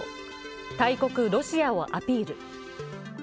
大国・ロシアをアピール。